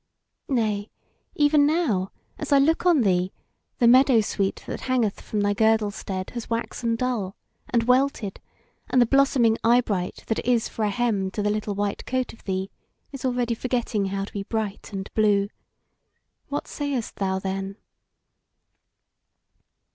Nay, even now, as I look on thee, the meadow sweet that hangeth from thy girdle stead has waxen dull, and welted; and the blossoming eyebright that is for a hem to the little white coat of thee is already forgetting how to be bright and blue. What sayest thou then?"